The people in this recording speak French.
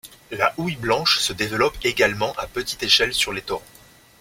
La houille blanche se développe également à petite échelle sur les torrents.